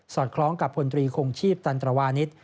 คล้องกับพลตรีคงชีพตันตรวานิส